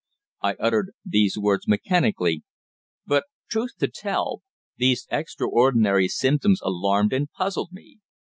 I uttered these words mechanically, but, truth to tell, these extraordinary symptoms alarmed and puzzled me.